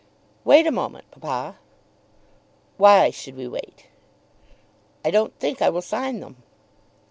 "Wait a moment, papa." "Why should we wait?" "I don't think I will sign them."